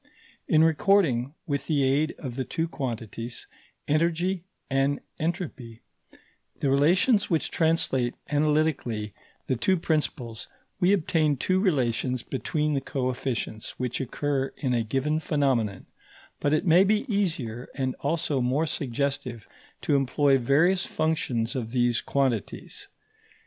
In recording, with the aid of the two quantities, energy and entropy, the relations which translate analytically the two principles, we obtain two relations between the coefficients which occur in a given phenomenon; but it may be easier and also more suggestive to employ various functions of these quantities.